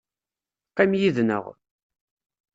Qqim yid-nneɣ.